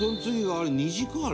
あれ。